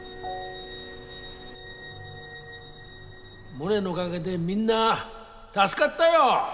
モネのおがげでみんな助かったよ。